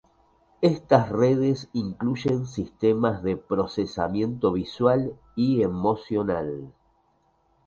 Estas redes incluyen sistemas de procesamiento visual y emocional.